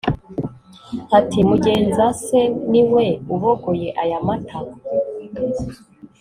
ati"mugenza se niwe ubogoye aya mata?"